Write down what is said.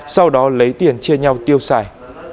sau đó lấy tiền chia nhau tiêu xài